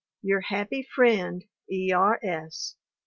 Your happy friend, E. R. S.